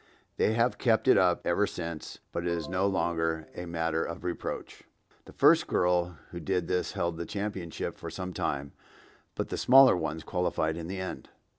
They have kept it up ever since, but it is no longer a matter of reproach.) The first girl who did this held the championship for some time, but the smaller ones qualified in the end.